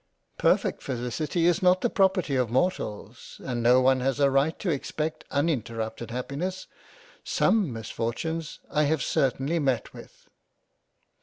" Perfect Felicity is not the property of Mortals, and no one has a right to expect uninterrupted Happiness. — Some Misfortunes I have certainly met with."